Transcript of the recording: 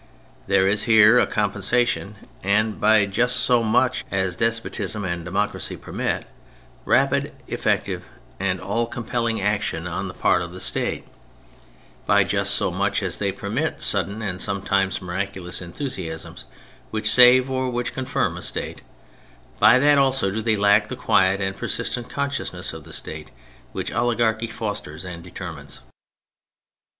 There is here a compensation, and by just so much as despotism and democracy permit rapid, effective and all compelling action on 66 THE FRENCH REVOLUTION the part of the State, by just so much as they permit sudden and sometimes miraculous enthusiasms which save or which confirm a State, by that also do they lack the quiet and persistent consciousness of the State which oligarchy fosters and determines.